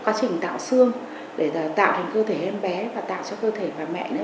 quá trình tạo xương để tạo thành cơ thể em bé và tạo cho cơ thể và mẹ nữa